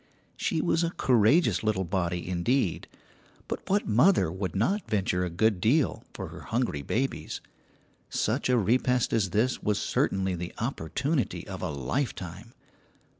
She was a courageous little body indeed, but what mother would not venture a good deal for her hungry babies? Such a repast as this was certainly the opportunity of a lifetime.